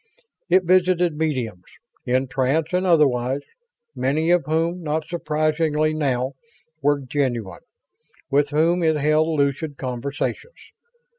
It visited mediums, in trance and otherwise many of whom, not surprisingly now, were genuine with whom it held lucid conversations.